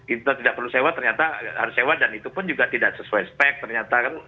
kita tidak perlu sewa ternyata harus sewa dan itu pun juga tidak sesuai spek ternyata kan